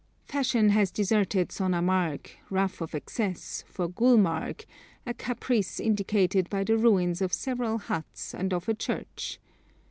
Fashion has deserted Sonamarg, rough of access, for Gulmarg, a caprice indicated by the ruins of several huts and of a church.